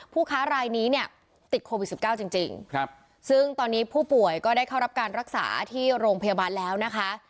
ค้ารายนี้เนี่ยติดโควิด๑๙จริงซึ่งตอนนี้ผู้ป่วยก็ได้เข้ารับการรักษาที่โรงพยาบาลแล้วนะคะ